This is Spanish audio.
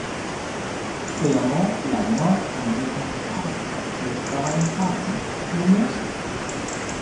Se llamó la "North American Phalanx" y estaba en Phalanx, Nueva Jersey.